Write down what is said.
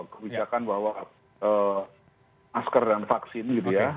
kebijakan bahwa masker dan vaksin gitu ya